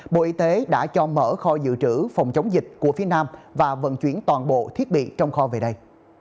bộ y tế đã cho mở kho dự trữ phòng chống dịch của phía nam và vận chuyển toàn bộ thiết bị trong kho về đây